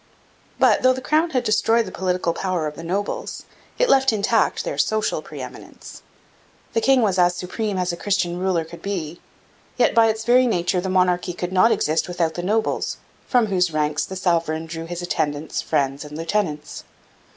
But, though the crown had destroyed the political power of the nobles, it left intact their social pre eminence. The king was as supreme as a Christian ruler could be. Yet by its very nature the monarchy could not exist without the nobles, from whose ranks the sovereign drew his attendants, friends, and lieutenants.